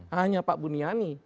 hanya pak bu niani